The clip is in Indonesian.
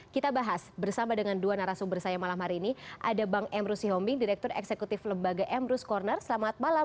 kita bahas bersama dengan dua narasumber saya malam hari ini ada bang emrus sihombing direktur eksekutif lembaga emrus corner selamat malam